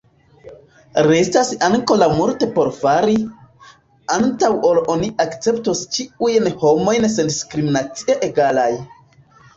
Restas ankoraŭ multe por fari, antaŭ ol oni akceptos ĉiujn homojn sendiskriminacie egalaj.